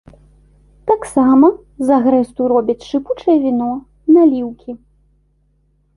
Таксама з агрэсту робяць шыпучае віно, наліўкі.